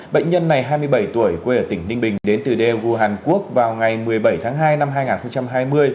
bệnh nhân này hai mươi bảy tuổi quê ở tỉnh ninh bình đến từ daegu hàn quốc vào ngày một mươi bảy tháng hai năm hai nghìn hai mươi